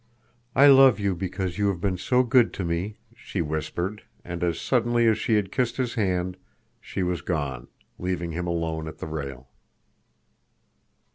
"I love you because you have been so good to me," she whispered, and as suddenly as she had kissed his hand, she was gone, leaving him alone at the rail.